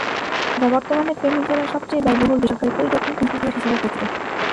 যা বর্তমানে ফেনী জেলার সবচেয়ে ব্যয়বহুল বেসরকারী পলিটেকনিক ইনস্টিটিউট হিসাবে পরিচিত।